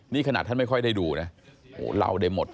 นี่ขนาดท่านไม่ค่อยได้ดูนะเล่าได้หมด